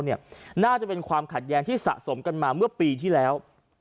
น่าจะเป็นความขัดแย้งที่สะสมกันมาเมื่อปีที่แล้ว